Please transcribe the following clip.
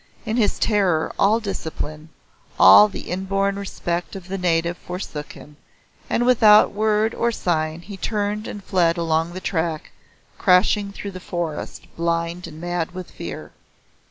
In his terror all discipline, all the inborn respect of the native forsook him, and without word or sign he turned and fled along the track, crashing through the forest blind and mad with fear.